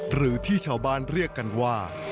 หรือที่ชาวบ้านเรียกกันว่า